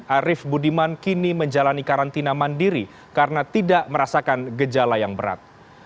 arief budiman kini menjalani karantina mandiri karena tidak merasakan gejala yang berat